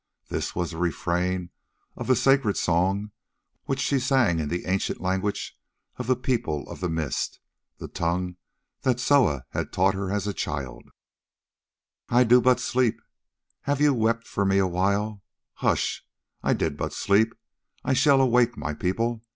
This was the refrain of the sacred song which she sang in the ancient language of the People of the Mist, the tongue that Soa had taught her as a child: "I do but sleep. Have ye wept for me awhile? Hush! I did but sleep. I shall awake, my people!